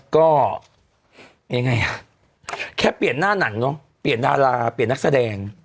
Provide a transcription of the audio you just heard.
ก็ยังไงอ่ะแค่เปลี่ยนหน้าหนังเนอะเปลี่ยนดาราเปลี่ยนนักแสดง